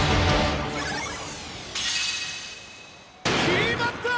決まった！